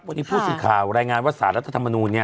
วันนี้ผู้สื่อข่าวรายงานว่าสารรัฐธรรมนูลเนี่ย